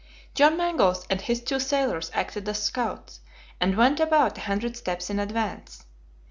John Mangles and his two sailors acted as scouts, and went about a hundred steps in advance.